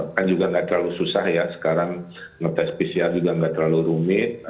kan juga nggak terlalu susah ya sekarang ngetes pcr juga nggak terlalu rumit